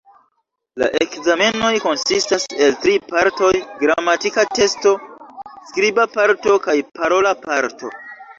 La ekzamenoj konsistas el tri partoj: gramatika testo, skriba parto kaj parola parto.